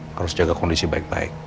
harus jaga kondisi baik baik